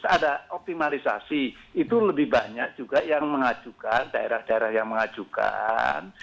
ada optimalisasi itu lebih banyak juga yang mengajukan daerah daerah yang mengajukan